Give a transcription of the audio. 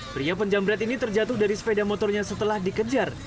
pria penjambret ini terjatuh dari sepeda motornya setelah dikejar